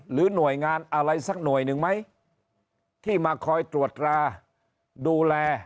หรือหน่วยงานอะไรสักหน่วยหนึ่งไหมที่มาคอยตรวจราดูแล